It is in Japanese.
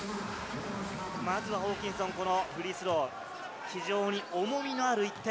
まずはホーキンソン、このフリースロー、非常に重みのある１点。